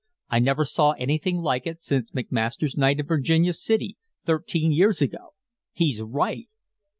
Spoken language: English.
"I never saw anything like it since McMaster's Night in Virginia City, thirteen years ago. He's RIGHT."